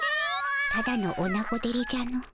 ただのおなごデレじゃの。